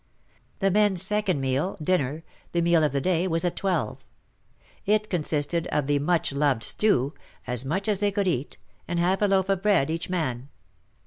The men's second meal — dinner — the meal of the day, was at 12. It consisted of the much loved stew — as much as they could eat — and half a loaf of bread each man.